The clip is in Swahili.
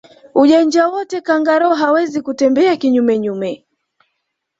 Ujanja wote kangaroo hawezi kutembea kinyume nyume